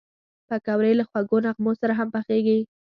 پکورې له خوږو نغمو سره هم پخېږي